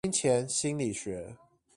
金錢心理學